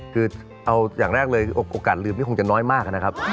คือเอาอย่างแรกเลยโอกาสลืมนี่คงจะน้อยมากนะครับ